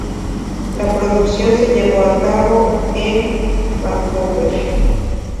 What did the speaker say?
La producción se llevó a cabo en Vancouver.